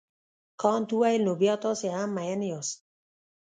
کانت وویل نو بیا تاسي هم مین یاست.